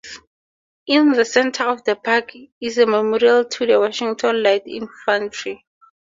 In the center of the park is a memorial to the Washington Light Infantry.